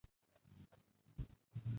Ularni hal qilishni paysalga soladi.